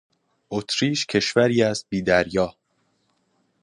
اتریش کشوری است بیدریا